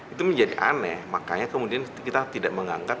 itu menjadi aneh makanya kemudian kita tidak mengangkat